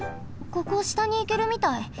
ここしたにいけるみたい。